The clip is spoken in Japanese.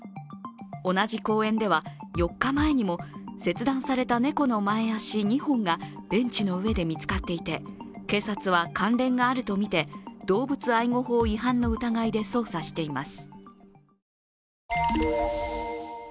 同じ公園では、４日前には切断された猫の前足２本がベンチの上で見つかっていて、警察は関連があるとみて動物愛護法違反の疑いで捜査しています。